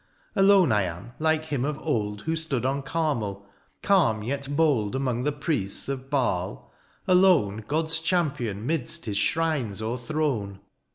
^^ Alone I am, like him of old ^^ Who stood on Carmel, calm yet bold ^^ Among the priests of Baal — alone ^^ God's champion 'mid his shrines overthrown !